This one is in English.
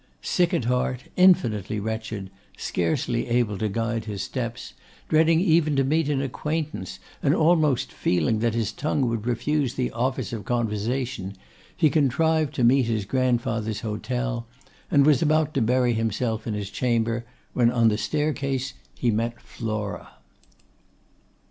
Sick at heart, infinitely wretched, scarcely able to guide his steps, dreading even to meet an acquaintance, and almost feeling that his tongue would refuse the office of conversation, he contrived to reach his grandfather's hotel, and was about to bury himself in his chamber, when on the staircase he met Flora.